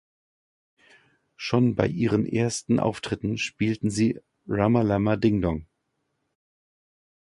Schon bei ihren ersten Auftritten spielten sie "Rama Lama Ding Dong".